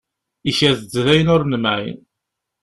Ikad-d d ayen ur nemεin.